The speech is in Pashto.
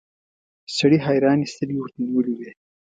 سړي حيرانې سترګې ورته نيولې وې.